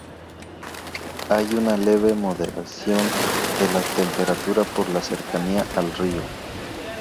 Hay una leve moderación de la temperatura por la cercanía al río.